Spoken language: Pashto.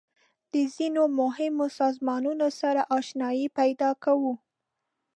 د ځینو مهمو سازمانونو سره آشنایي پیدا کوو.